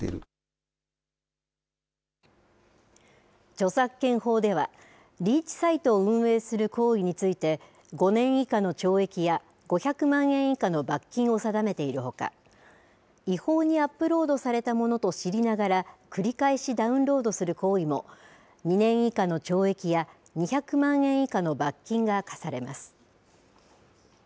著作権法ではリーチサイトを運営する行為について５年以下の懲役や５００万円以下の罰金を定めているほか違法にアップロードされたものと知りながら繰り返しダウンロードする行為も２年以下の懲役や２００万円以下の罰金が科されます。